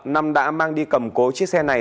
năm đã mang đi cầm cố chiếc xe này